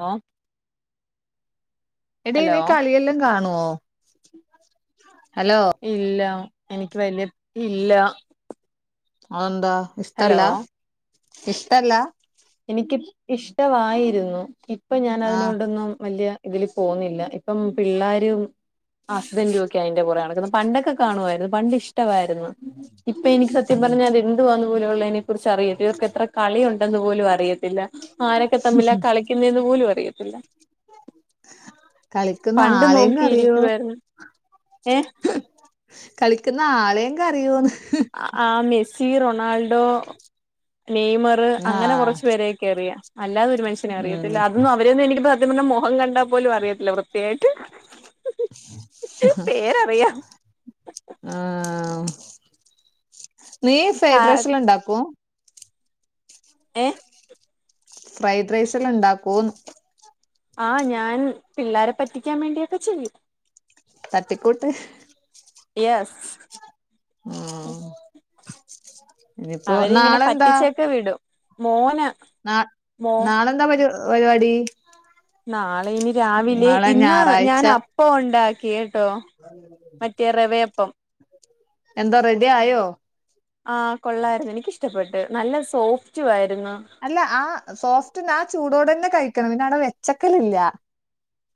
Law എടി നീ കളിയെല്ലാം കാണോ? ഹലോ ഇല്ല എനിക്ക് വലിയ ഇല്ല അത് എന്താ? ഹലോ ഇഷ്ടല്ല ഇഷ്ടല്ലാ. എനിക്ക് ഇഷ്ടാമായിരുന്നു. ഇപ്പൊ ഞാൻ ആഹ് അതിനോടൊന്നും വലിയ ഇതില് പോന്നില്ല ഇപ്പം പിള്ളാരും ആ ഹസ്ബന്ഡും ഒക്കെ അതിന്റെ പുറകെ നടക്കണ്പണ്ടൊക്കെ കാണുവായിരുന്നു പണ്ട് ഇഷ്ടമായിരുന്നു. ഇപ്പൊ എനിക്ക് സത്യം ഉം പറഞ്ഞാല് എന്തുവാന്ന്പോലും ഉള്ളതിനെ കുറിച്ച്അറിയില്ല. ഇവർക്ക് എത്ര കളിയുണ്ടെന്ന് പോലും അറി അറിയത്തില്ല ആരൊക്കെ തമ്മിലാ കളിക്കുന്നേന്നുപോലും അറിയത്തില്ല. കളിക്കുന്ന പണ്ട് ആളെങ്ക് അറിയോ? നോക്കിയിരിക്കുവായിരുന്നു ഏഹ് കളിക്കുന്ന ആളെയെങ്ക് അറിയോന്ന്? ആ മെസ്സി, റൊണാൾഡോ, നെയ്മർ, അങ്ങനെ ആഹ് കുറച്ചു പേരെയൊ നിക്കറിയാം. അല്ലാതെ ഒരു മനഷ്യനെ ഉം അറിയത്തില്ല അതൊന്നു അവര് ഒന്നു എനിക്ക് ക്ക് പിന്നെ മുഖം കണ്ടാൽ പോലും അറിയത്തില്ല വൃത്തിയായിട്ട്. പേരറിയാം ആ നീ കാ ഫ്രൈഡ് റൈസ് എല്ലാം ഉണ്ടാക്കോ? ഏ? ഫ്രൈഡ് റൈസ് എല്ലാം ഉണ്ടാക്കോന്ന് ആ ഞാൻ പിള്ളാരെ പറ്റിക്കാൻ വേണ്ടിയൊക്കെ ചെയ്യും. തട്ടിക്കൂട്ട് എസ്സ്. ആഹ് ഇനിയിപ്പോ അവരെ ഇങ്ങനെ നാളെന്താ പറ്റിച്ചൊക്കെ വിടും മോന് മോ വര്‌വാടി നാളെ ഇനി രാവിലെ ഇന്ന് ഞാൻ ഞായറാഴ്ച അപ്പം ഉണ്ടാക്കി കേട്ടോ. മറ്റേ റവയപ്പം. എന്തോറെഡി ആയോ? ആ കൊള്ളായിരുന്നു എനിക്കിഷ്ടപ്പെട്ടു. നല്ല സോഫ്റ്റു ആയിരുന്നു. അല്ല ആ സോഫ്റ്റിന് ആ ചൂടോടെ തന്നെ കഴിക്കണം. പിന്നെ അവിടെ വെച്ചേക്കലില്ല.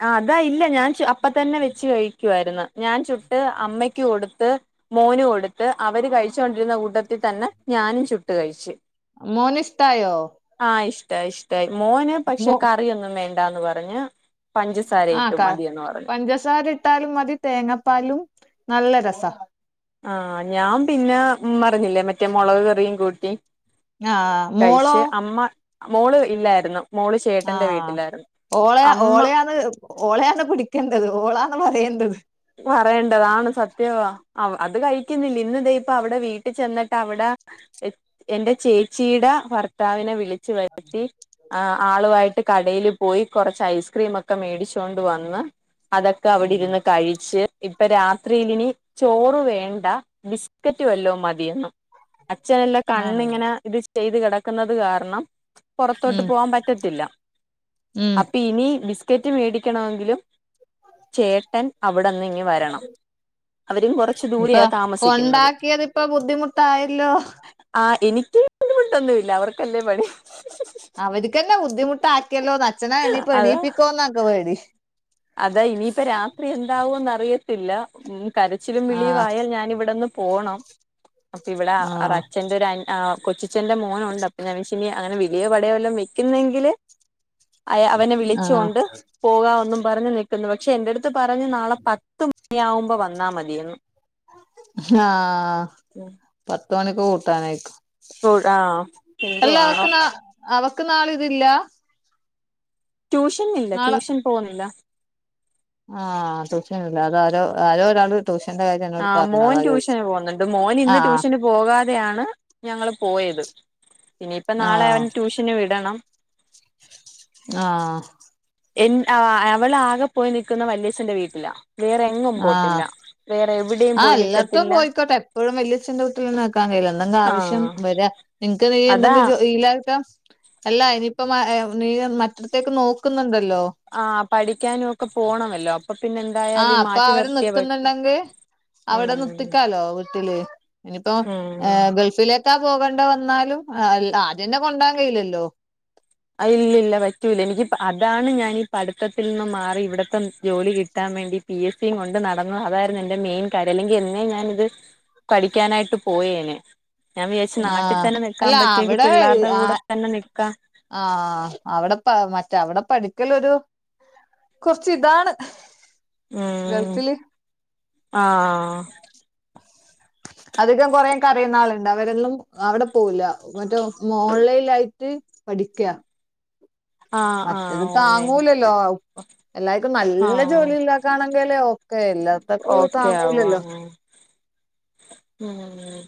ആ അതാ ഇല്ല ഞാൻ അപ്പതന്നെ വെച്ച് കഴി ഴിക്കുവായിരുന്നു. ഞാൻ ചുട്ട് അമ്മക്ക് കൊടുത്ത് മോന് കൊടുത്ത് അവര് കഴി ച്ചോണ്ടിരുന്ന കൂട്ടത്തിൽ തന്നെ ഞാനും ചുട്ട്കഴിച്ചു. മോന് ഇഷ്ടായോ ആ ഇഷ്ടായി ഇഷ്ടായി മോന് പക്ഷെ മോ കറിയൊന്നും വേണ്ടാന്ന് പറഞ്ഞ് പഞ്ച ആ കാ പഞ്ചസാര ഇട്ടാലും മതി തേങ്ങാപ്പാലും നല്ല രസാ. ആഹ് ഞാൻ പിന്നെ പറഞ്ഞില്ലേ മറ്റേ മുളക് കറിയും കൂട്ടി ആഹ് മോളോ കഴിച്ച് അമ്മ മോള് ഇല്ലായിരുന്നു. മോള് ആ ചേട്ടന്റെ വീട്ടിലായിരുന്നു ഓളെ അമ്മ ഓളെയാണ് ഓളെയാണ് പിടിക്കേണ്ടത് ഓളാണ് പറയേണ്ടത്. പറയേണ്ടത് ആണ് സത്യവാ. അത് കഴിക്കുന്നില്ല ഇന്ന് ദേ ഇപ്പ അവിടെ വീട്ടിൽ ചെന്നിട്ട് അവിടെ എന്റെ ചേച്ചിടെ ഭർ ഭർത്താവിനെ വിളിച്ചു വരുത്തി ആളുമായിട്ട് കടയില് പോയി കുറച്ച് ഐസ്ക്രീമൊക്കെ മേടിച്ചൊണ്ട് വന്ന് അതൊക്കെ ഉം അവിടെരുന്ന് കഴിച്ച്. ഇപ്പൊ രാത്രിയിലിനി ചോറ് വേണ്ട ബിസ്കറ്റ് വല്ലോം മതിയെന്ന്. അച്ഛനല്ല നല്ല് കണ്ണിങ്ങനെ ഇത് ചെയ്ത് കിടക്കുന്നത് കാരണം? പുറത്തോട്ട് ഉം പോവാാൻ പറ്റത്തില്ല, ഉം അപ്പൊ ഇനി ബിസ്കറ്റ് മേടിക്കണമെങ്കിലും ചേട്ടൻ അവിടന്ന് ഇങ്ങ് വരണം അവരും കൊറച്ച ഇപ്പൊ കൊണ്ടാക്കിയതി ഇപ്പ ബുദ്ധിമുട്ടായല്ലോ? ആഹ് എനിക്ക് ബുദ്ധിമുട്ടൊന്നുല്ല അവർക്കല്ലേ പണി അവർക്കന്നെ ബുദ്ധിമുട്ടാക്കിയല്ലോന് അച്ഛനെ എണീപ്പോ അതാ എണീയിപ്പിക്കോന്നാക്ക് പേടി. അതാ ഇനിയിപ്പ രാത്രി എന്താവുംന്ന് അറിയത്തില്ല, ഉം കരച്ചിലും വിളിയും ആഹ് ആയാൽ ഞാൻ ഇവിടെന്ന് പോണം അപ്പൊ ഇവിടെ ആഹ് അച്ഛന്റെ ഒരു കൊച്ചച്ചന്റെ മോനുണ്ട് അപ്പൊ ഞാൻ ഇനി അങ്ങനെ വിളിയോ പടയെല്ലാം വെക്കുന്നെങ്കില് അ അവനെ ആഹ് വിളിച്ചൊണ്ട് പോകാ ഒന്നും പറഞ്ഞു നിൽക്കുന്നു പക്ഷെ എന്റെ അടുത്ത് ത്ത് പറഞ്ഞു നാളെ പത്ത് മണിയാാവുമ്പോ വന്നാ മതിയന്ന് ആഹ പത്ത് മണിക്ക് കൂട്ടാനായിക്കും ആഹ് അല്ല എന്തുവാണോ അവക്ക് നാ അവക്ക് നാള ഇതില്ലാ ട്യൂഷൻ ഇല്ല ട്യൂഷൻ പോകുന്നില്ല ആഹ [unintelligible] അതരോ ആരോ ഒരാള് ടൃൂഷന്റെ കാര്യ ആഹ് മോൻ ട്യൂഷന് പോകുന്നുണ്ട് മോ ഇന്ന് ആഹ് ട്യൂഷന് പോകാതെയാണ് ഞങ്ങൾ പോയത് ഇനിപ്പ നാളെ അവൻ ട്യൂഷന് വിടണം. ആഹ എൻ അവളാകെ പോയി നിൽക്കുന്ന വല്യേച്ചന്റെ വീട്ടിലാ വേറെ എങ്ങും ആ പോത്തില്ല വേറെ എവിടെയും ആ പോയി അല്ലാത്തും നിക്കത്തില്ല പോയിക്കോട്ടെ എപ്പോഴും വല്യേച്ഛന്റെ കു നിക്കാൻ കഴയില്ല എന്തെങ്കും ആവശ്യം ആഹ് വരാ നിങ്ങക്ക് നീ അതാ എന്തെങ്കും [unintelligible] യിലട്ട അല്ല ഇനിയിപ്പം നീ മറ്റടത്തേക്ക് നോക്കുന്നുണ്ടല്ലോ ആ പഠിക്കാനും ഒക്കെ പോണമല്ലോ അപ്പൊ പിന്നെ എന്ത ആഹ അപ്പ അവര് നിക്കുന്നുണ്ടെങ്കിൽ അവിടെ ഉം നിത്തിക്കാലോ വീട്ടില് ഇനിയിപ്പോ ഏ ഉം ഗൾഫിലേക്കാ പോകേണ്ട വന്നാലും, ആദ്യംന്നെ കൊണ്ടാൻ കഴില്ലല്ലോ അത് ഇല്ല ഇല്ല പറ്റൂല്ല എനിക്ക് അതാണ് ഞാൻ ഈ പഠിത്തത്തിൽ നിന്ന് മാറി ഇവിടത്തെ ജോലി കിട്ടി കിട്ടാൻ വേണ്ടി പി എസ് സിയും കൊണ്ട് നടന്നു അതായിരുന്നു എന്റെ മെയിൻ കാര്യം അല്ലെങ്കിൽ എന്നെ ഞാാനിത് പഠിക്കാനായിട്ട് പോയേനെ ഞാൻ വിചാരിച്ച് നാട്ടിൽ ആഹ് തന്നെ നിക്കാൻ അല്ല പറ്റിയെങ്കിൽ അവിടെ പിള്ളേരുടെ ആ കൂടെ എന്ന നിക്ക ആഹ് അവിടെപ്പ മറ്റ അവിടെ പഠിക്കലൊരു. കൊർച്ച് താണ്. ഉം ഗൾഫില്. ആഹ് അധികം കൊറേ കരയുന്ന ആളുണ്ട്, അവരൊന്നും അവിടെ പോവില്ല, മറ്റേ ഓൺലൈനായിട്ട്. പഠിക്ക. ആഹ് മറ്റേത് ആഹ് ഓൺലൈൻ താങ്ങൂലല്ലോ. ഒ എല്ലാർക്കും നല്ല ആഹ് ജോലി ഇല്ലാ കാണെങ്കിൽ ഓക്കെ, എല്ലാത്തക്ക് ഓക്കെ ആവു താങ്ങൂലല്ലോ. ആഹ് ഉം..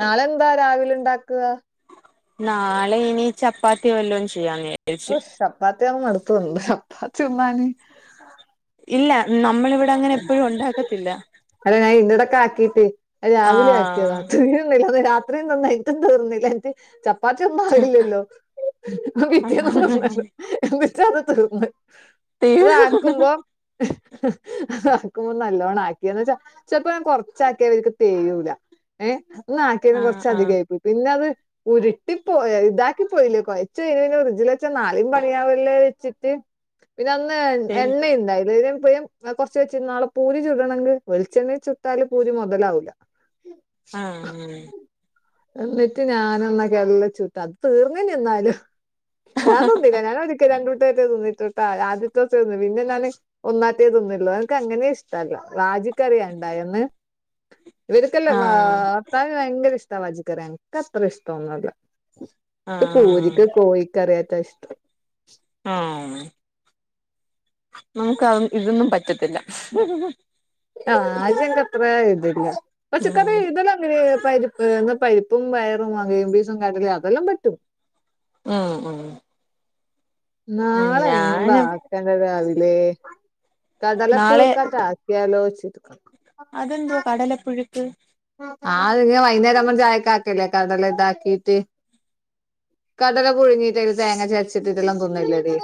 നാളെന്താ രാവിലെ ണ്ടാക്ക്വ? നാളെ ഇനി ചപ്പാത്തി വല്ലും ചെയ്യാന്ന ഓ ചപ്പാത്തിമടുത്ത ഉള്ളൂ, ചപ്പാത്തി ഉമ്മാനി. ഇല്ല, നമ്മളിവിടങ്ങനെ എപ്പഴും ഉണ്ടാക്കത്തില്ല. അല്ല ഞാൻ ഇന്റെടക്കെ ആക്കിട്ട് രാവിലെ ആക്കിയാത... ത്രിം നന്നായി ഇതും തീർന്നിലൻ്റ്. ചപ്പാത്തിയൊന്നും ആഹ് ആവില്ലല്ലോ? പിറ്റേന്നു. [unintelligible] [unintelligible] റ്റത് തീർന്ന് ടി അതാക്കുമ്പോ, ആക്കുമ്പൊ നല്ലോണാക്കി എന്ന് വച്ചാ ചെൽപ്പോ ഞാൻ കൊർച്ചാ ക്കിയാ ക്ക് തേയൂല. ഏഹ് ന്നാട്ടിന്ന് ആ ആ കൊർച്ചധികായി പോയി പിന്നത്. ഉരുട്ടി പോ ഇതാക്കി പോയില്ലേ, കൊയച്ച് കഴിഞ്ഞ പിന്നെ ഫ്രിഡ്ജിൽ വച്ചാൽ നാളീം പണിയാവല്ലേ വെച്ചിട്ട്. പിന്നെ അന്ന് ശരി എണ്ണുണ്ടായില്ല, ഇതിനും ഇപ്പോഴും.. ആ കുറച്ച് വെച്ച്. ന്നാള്പൂരി ചുടണെങ്കി വെളിച്ചെണ്ണെ ചുട്ടാല് പൂരി മൊതലാവൂല. ആ, അങ്ങനെ. എന്നിട്ട് ഞാനന്നൊക്കല്ല ചൂട്ട. അത് തീർന്നീനി എന്നാലും. ഞാൻ തിന്നില്ല. ഞാനൊരുക്കെ രണ്ടൂട്ടേ [unintelligible] ഇട്ടട്ടാ ആദ്യത്തത്‌ തിന്ന്. പിന്നെ ഞാന് ഒന്ന തേ തിന്നൊള്ളൂ. എനക്ക് അങ്ങനെ ഇഷ്ടല്ല. വാജിക്കറിയണ്ട എന്ന്. ഇവർക്കല്ല ആ താ ഭർത്താവിന് ഭയങ്കര ഇഷ്ടാ വാജിക്കറി. എനക്ക് അത്ര ഇഷ്ടോന്നുല്ല. ആ ക് പൂരിക്ക് കോഴിക്കറിയാ ഏറ്റോം ഇഷ്ടം. ആ.. നമുക്കതൊന്നു ഇല്ലെന്നും പറ്റത്തില്ല. ആഹ, അതിൻക്കത്ര ഇതില്ല. ഉം പച്ചക്കറി ഇതല്ലാം. ഈ.. പരിപ്പ്. [unintelligible] പരിപ്പും വയറും അവയും ബീസും കടലിം അതെല്ലാം പറ്റും. ആ ആ. നാളെന്താ ഞാന് ആക്കേണ്ടത്‌ അതില്. നാളെ കടലപ്പുഴുക്കാറ്റാ. [unintelligible] ലോ. [unintelligible] അതെന്തോ കടലപ്പുഴുക്ക്? ആഹ് വൈകുന്നേരം അമ്മ ചായക്ക് ആക്കല്ലേ കടല ഇതാക്കീട്ട് കടല പുഴുങ്ങിയിട്ട് തില് തേങ്ങചതച്ചിട്ടിട്ടെല്ലാം തിന്നുല്ലേ ടീ?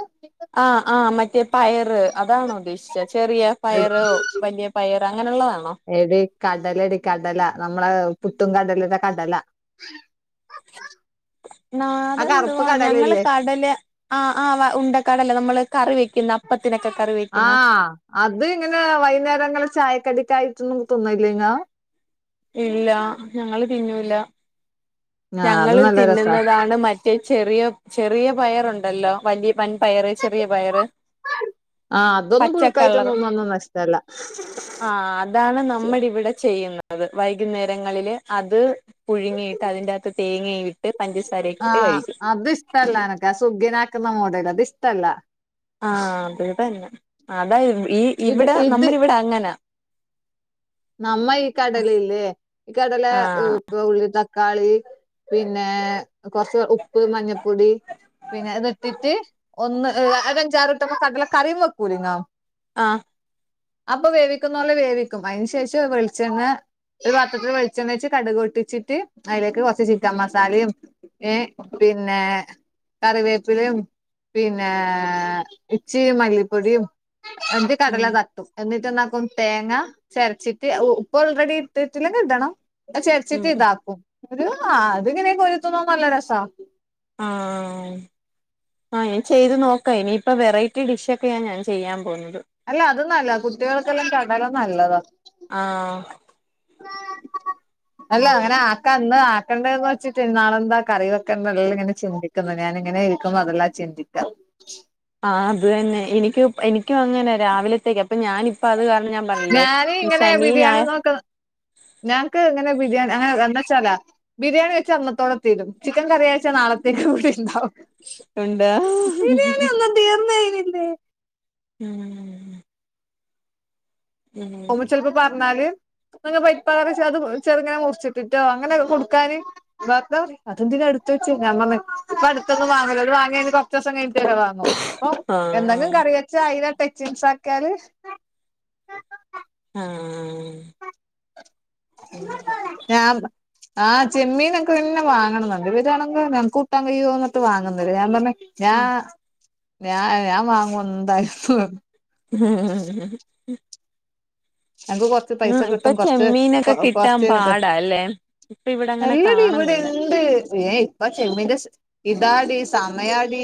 ആഹ, ആഹ് മറ്റേ പയറ്. അതാണോ ഉദ്ദേശിച്ചെ? ചെറിയ. പയറോ 'വലിയ പയറ്' അങ്ങനെയുള്ളതാണോ? എടി കടല എടി കടല. നമ്മളെ പുട്ടും കടലിത്തെ കടല. ആ കറുപ്പ് നാതെന്തുവാ? ഞങ്ങള് കടലയില്ലേ കടല. ആ ആ. വ ഉണ്ടക്കടല നമ്മള് കറി വെക്കുന്ന അപ്പത്തിനൊക്കെ കറി വെയ്ക്കുന്ന. ആഹ് അത് ഇങ്ങനെ വൈകുന്നേരങ്ങളെ ചായക്കടിക്കായിട്ടൊന്നും തിന്നല്ലങ്ങ ഇല്ലാ. ഞങ്ങള് തിന്നുല്ല. ആഹ് അത് ഞങ്ങള് നല്ല രസാ തിന്നുന്നതാണ് മ. ഈ ചെറിയ ചെറിയ പയറ്ണ്ടല്ലോ. വല്ല്യ പൻ പയറ് ചെറിയ പയറ്. ആഹ്.. ന്നുംഅതൊന്നും പച്ചക്കളർ പുഴുക്കായിട്ടൊന്നും ഒന്നു അന്നൊന്നു നഷ്ടല്ല. ആ അതാണ് നമ്മളിവിടെ ചെയ്യുന്ന. അത്. വൈകുന്നേരങ്ങളില് അത് പുഴുങ്ങിയിട്ട് അതിന്റെറകത്ത് തേങ്ങയി. ട്ട് പഞ്ചസാരയിട്ട് കഴിക്കും. ഇഷ്ടല്ലാനക്കാ. സുഗ്‌ന ആക്കുന്ന മോടല. ത് ഇഷ്ടല്ല. ആഹ, അത്‌ തന്നെ. അതാ [unintelligible] ഈ ഇത് ഇവിടെ ഇത് നമ്മളിവിടെ അങ്ങനാ. നമ്മ ഈ കടലില്ലേ? ഈ കടല ആ ഉള്ളി ത. ക്കാളി. പിന്നേ കൊറച്ച് ഉപ്പ്', മഞ്ഞപ്പൊടി. പിന്നെ അത് ഇട്ടിട്ട് ഒന്ന് [inaudible] അത് അഞ്ചാറട്ടം ഒക്കെ കടല കറിം വെക്കൂലേ നോ? ആഹ അപ്പൊ വേവിക്കുന്നോലെ വേവിക്കും അ. [unintelligible] തേഷ വെളിച്ചെണ്ണ ഒരു പാത്രത്തില് വെളിച്ചെണ്ണാഴിച്ച് കടുകൊട്ടിച്ചിട്ട്. അയിലേക്ക് കൊറച്ച് ഉം ചിക്കൻ മസാലിം ഏ പിന്നേ.. കറിവേപ്പിലയും. പിന്നെ ഇച്ചിരി മല്ലിപ്പൊടിയും. [inaudible] ന്തി കടല ഉം തട്ടും. എന്നിട്ട് എന്നാക്കും തേങ്ങ. ചെരച്ചിട്ട് എ ഉ ഉപ്പൊ ഓൾറെഡി ഇട്ടിട്ടില്ലങ്കിൽ ഇടണം എ ചെർച്ചിട്ട് ഉം ഇതാക്കും. ഒരു അത്ങ്ങനെയിരുന്ന് [unintelligible] നല്ല രസാ. ആ... ആ ഞാൻ ചെയ്ത് നോക്ക. ഇനിയിപ്പ വെറൈറ്റി ഡിഷ് ഒക്കെയാ ഞാൻ ചെയ്യാൻ പോന്നത്. അല്ല. അതൊന്നു അല്ല. കുട്ടിയ ള്ക്കെല്ലാം കടല നല്ലത. ആഹ [inaudible] അല്ല അങ്ങനെ ആ ക ഇന്ന് ആക്കണ്ടന്ന് വച്ചിട്ട് നാളെന്താ കറി വെക്കണ്ടല്ലങ്ങനെ ചിന്തിക്കുന്നത് ഞാന ഇങ്ങനെരിക്കും അതെല്ല. ചിന്തിത്ത. ആ അത് തന്നെ. എനിക്ക് എനിക്കും അങ്ങനെ രാവിലത്തേക്ക് അപ്പൊ ഞാനിപ്പ അത് കാരണം ഞാൻ. പറഞ്ഞില്ലേ ഞാന് ഈ ഇങ്ങനെ ശനി ബിരിയാണി ഞായ നോക്ക്ണ് ഞങ്ങക്ക് ഇങ്ങനെ ബിരിയാണി അങ്ങനെ വന്നച്ചാലാ ബിരിയാണി വെച്ച് അന്നത്തോടെ തീരും ചിക്കൻ കറിയാഴ്ച്ചാൽ നാളത്തേക്ക് കൂടി ഉണ്ടാവും ഉണ്ട് ബിരിയാണി ഒന്നും തീർന്നേ [unintelligible] ഉം ഉം ചിലപ്പോ പറഞ്ഞാല് [unintelligible] അത് ചെറുങ്ങനെ മുറിച്ചിട്ടിറ്റോ അങ്ങനെ കൊടുക്കാന് ബാപ്പാറഞ്ഞ് അതെന്തിനാ എടുത്ത് വെച്ച്? ഞാൻ പറഞ്ഞ് ഇപ്പ അടുത്തൊന്നും വാങ്ങൂല്ല അത് വാങ്ങിഴിഞ്ഞ്ട്ടാ കുറച്ചൂസം കഴിഞ്ഞട്ട് വടേ വാങ്ങും അപ്പ എന്തെങ്കിലും ആഹ് കറി വെച്ചാ അതിനെ ടെച്ചിൻസ് ആക്കിയാല് ആഹ്. പാ പോവുന്നില്ല ആഹ് ചെമ്മീനോക്ക്ന്നെ വാങ്ങണംന്ന്ണ്ട്. ഇതാണെങ്ക് ഞങ്ങക്ക് [unintelligible] വയ്യ പറഞ്ഞിട്ട് വാങ്ങുന്നത്. ഞാൻ പറഞ്ഞ് ഞാ ആഹ് ഞാൻ ഞാൻ വാങ്ങു എന്തായാലുന്ന് പറഞ്ഞു ഉം ഹെ ഹെ. അനക്ക് കൊ പൈസ ഉം ഇപ്പൊ കിട്ടും കൊറച്ച് ചെമ്മീനൊക്കെ കിട്ടാൻ കുറച്ച്ട്ടെ പാടാ അല്ലേ ഇപ്പൊ ഇവിടെ അങ്ങനെ അല്ലടി ഇവിടെ കാണുന്നില്ല ഇണ്ട് ഏഹ് ഇപ്പോ ചെമ്മീന്റെ സ് ഇതാടി സമയാടി.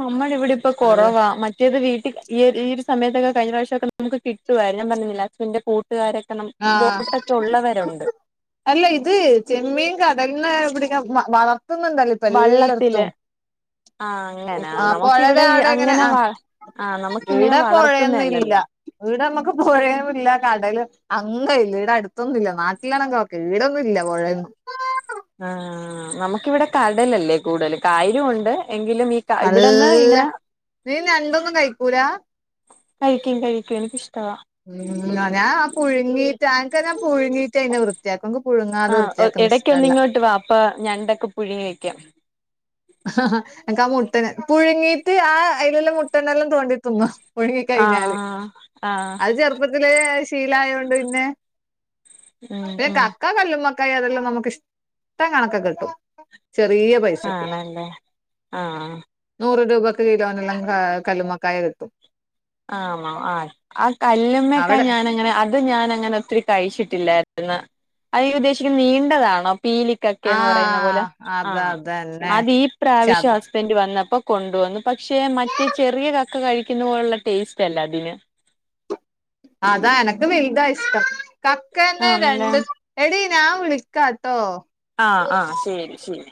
നമ്മടെ ഇവിടെ ഇപ്പ കൊറവാ മ മറ്റത് വീട്ടിൽ ഈയൊരു ഈ ഒരു സമയത്തൊക്കെ കഴിഞ്ഞ പ്രവിശ്യം ഒക്കെ നമുക്ക് കിട്ടുവാ ഞാൻ പറഞ്ഞില്ലേ ഹസ്ബൻന്റെ കൂട്ട് വീട്ടുകാരൊക്കണം ആഹ് ബോട്ടൊക്കെ ഉള്ളവരുണ്ട്. അല്ല ഇത് ചെമ്മീൻ കടൽന്ന് പിടിക്കണ വളർത്ത്ന്ന്ണ്ടല്ലോ ഇപ്പോ വള്ളത്തില് എല്ലടത്തും. ആഹ് അങ്ങനാ ആഹ് പൊഴടെ നമുക്കിവിടെ ഈ അവിടെ അങ്ങനെ വ ആഹ് ആഹ് നമുക്കിങ്ങനെ ഇവിടെ പൊഴയൊന്നും ഇല്ല. വളർത്തുന്നല്ലല്ലോ ഇവിടമ്മക്ക് പൊഴേമില്ല കടലും അങ്ങ്ള്ള ഇവിടെ അടുത്തൊന്നും ഇല്ല. നാട്ടിലാണങ്ക് ഓക്കെ. ഇവിടൊന്നും ഇല്ല പൊഴയൊന്നും. ആഹ് നമുക്കിവിടെ കടലല്ലേ കൂടുതല് കായലും ഒണ്ട്. ആഹ് നീ ഞണ്ടൊന്നും കയിക്കൂല? കഴിക്കും കഴിക്കും എനിക്ക് ഇഷ്ടവാ. ഉം ഞാൻ ആ പുഴുങ്ങീട്ട് അനക്ക് ഞാൻ പുഴുങ്ങീട്ട് ആയിനേ വൃത്തിയാക്കും. അനക്ക് പുഴുങ്ങാതെ വൃത്തിയാക്ക ക്കൊന്നുഷ്ടല്ല. ഇപ്പോ ഞണ്ടൊക്കെ പുഴുങ്ങി വെക്കാം. ആഹ് അനക്ക് ആഹ് മുട്ടനെ പുഴുങ്ങീട്ട് ആഹ് അതിലെല്ലാം മുട്ടനെല്ലാം തോണ്ടിതിന്നോ പുഴുങ്ങി കഴിഞ്ഞാല് ആഹ് ആഹ് അത് ചേർ പ്പത്തില് ശീലായൊണ്ട് പിന്നെ ഉം ഉം കക്ക് ക്ക കല്ലുമ്മക്കായ അതെല്ലാം നമുക്ക് ഇഷ്ടം കണക്ക് കിട്ടും ചെറിയ പൈസക്ക് ആണല്ലേ? ആഹ്. നൂറ് രൂപക്ക് കിലോനെല്ലാം കാ കല്ലുമ്മക്കായ കിട്ടും. ആണോ ആഹ് ആഹ് കല്ലമ്മക്കെ അവിടെ ഞാനങ്ങനെ ആഹ് അത് ഞാൻങ്ങനെ ഒത്തിരി കഴിച്ചിട്ടില്ലായിരുന്നു അത് നീ ഉദ്ദേശിക്കുന്നത് നീണ്ടതാണോ പീലീ കക്കേന്ന് പറയുന്ന പോലെ. ആഹ് അത ആഹ് അതന്നെ അത് ഈ പ്രാവിശ്യോ ശത സ്ബൻഡ് വന്നപ്പോ കൊണ്ടുവന്നു. പക്ഷേ മറ്റേ ചെറിയ കക്ക കഴിക്കുന്ന പോലുള്ള ടേസ്റ്റ് അല്ല അതിന്. അതാ എനക്കും വലുതാ ഇഷ്ടം. കക്കന്നെ ആണല്ലേ രണ്ട് എടി ഞാൻ വിളിക്കാട്ടോ ആഹ് ആഹ് ശരി ശരി